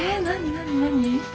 何？